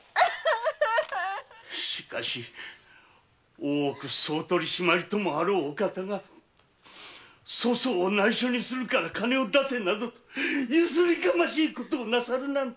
しかし大奥総取締ともあろう方が粗相を内緒にするから金を出せなどとゆすりがましいことをなさるなんて。